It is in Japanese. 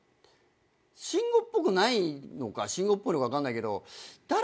慎吾っぽくないのか慎吾っぽいのか分かんないけど。